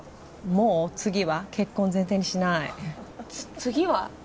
もう次は結婚を前提にしない次は？